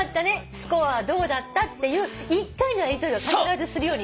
スコアどうだった？っていう１回のやりとりは必ずするように。